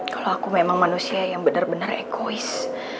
kalau aku memang manusia yang benar benar ekois